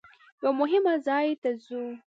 یوه مهم ځای ته ځو.